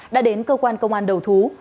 đã đến cơ quan công an đầu thú